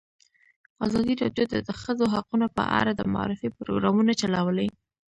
ازادي راډیو د د ښځو حقونه په اړه د معارفې پروګرامونه چلولي.